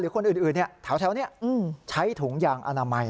คนอื่นแถวนี้ใช้ถุงยางอนามัย